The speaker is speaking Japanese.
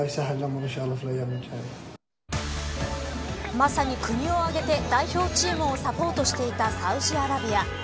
まさに国を挙げて代表チームをサポートしていたサウジアラビア。